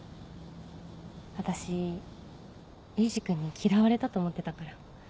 あたしエイジ君に嫌われたと思ってたから。